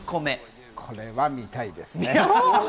これは見たいね。